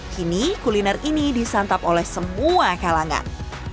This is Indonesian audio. kini kuliner ini disantap oleh semua kalangan